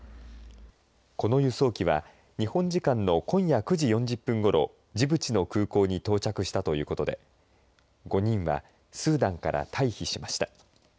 この輸送機は日本時間の今夜９時４０分ごろジブチの空港に到着したということで５人はスーダンから退避しました。